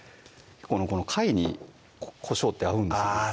この貝にこしょうって合うんですあぁ